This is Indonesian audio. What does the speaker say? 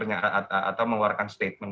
atau mengeluarkan statement